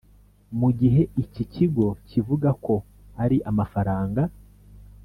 mu gihe iki kigo kivuga ko ari amafaranga